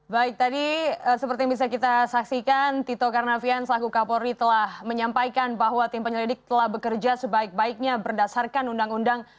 baik tadi seperti yang bisa kita saksikan tito karnavian selaku kapolri telah menyampaikan bahwa tim penyelidik telah bekerja sebaik baiknya berdasarkan undang undang